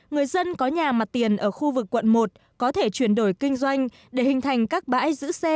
người dân có nhà mặt tiền ở khu vực quận một có thể chuyển đổi kinh doanh để hình thành các bãi giữ xe